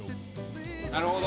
なるほど。